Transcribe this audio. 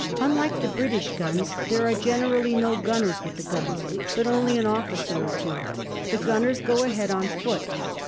Unlike the British guns, there are generally no gunners with the guns, but only an officer or two. The gunners go ahead on foot.